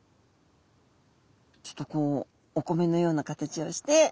ちょっとこうお米のような形をして。